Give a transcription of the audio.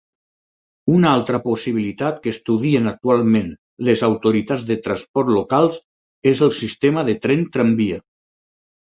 Una altra possibilitat que estudien actualment les autoritats de transport locals és el sistema de tren tramvia.